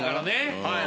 はい。